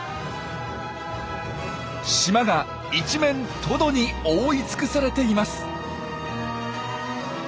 島が一面トドに覆いつくされています。